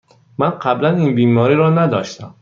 من قبلاً این بیماری را نداشتم.